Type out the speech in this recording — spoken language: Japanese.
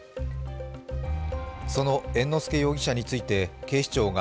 その猿之助容疑者について警視庁が